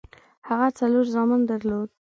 هغه څلور زامن درلودل.